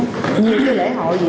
rồi vấn đề tết các thứ v v